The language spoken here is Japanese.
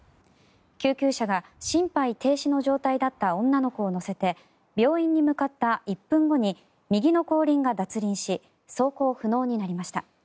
救急車が心肺停止の状態だった女の子を乗せて病院に向かった１分後に右の後輪が脱輪し走行不能になりました。